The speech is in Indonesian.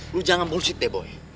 lo jangan bullshit deh boy